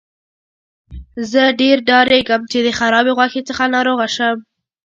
زه ډیر ډاریږم چې د خرابې غوښې څخه ناروغه شم.